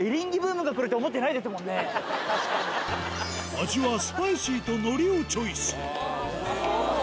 味はスパイシーと海苔をチョイス